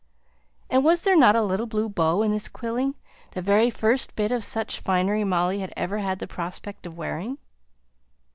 and was there not a little blue bow in this quilling, the very first bit of such finery Molly had ever had the prospect of wearing?